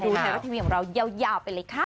ดูแทนว่าทีวีของเรายาวไปเลยค่ะ